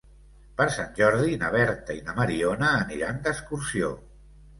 Per Sant Jordi na Berta i na Mariona aniran d'excursió.